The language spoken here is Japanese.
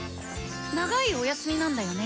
長いお休みなんだよね？